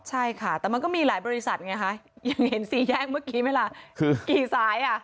ใช่ค่ะแต่มันก็มีหลายบริษัทไงคะยังเห็นสี่แยกเมื่อกี้ไหมล่ะคือกี่สายอ่ะ